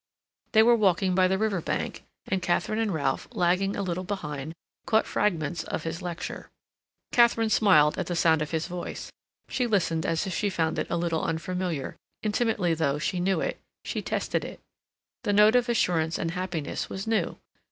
They were walking by the river bank, and Katharine and Ralph, lagging a little behind, caught fragments of his lecture. Katharine smiled at the sound of his voice; she listened as if she found it a little unfamiliar, intimately though she knew it; she tested it. The note of assurance and happiness was new.